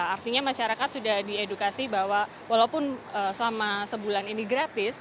artinya masyarakat sudah diedukasi bahwa walaupun selama sebulan ini gratis